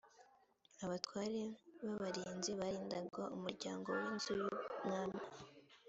abatware b’abarinzi barindaga umuryango w’inzu y’umwami